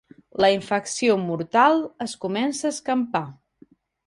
La infecció mortal es comença a escampar.